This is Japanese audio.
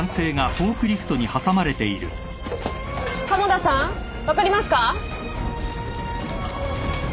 鴨田さん分かりますか？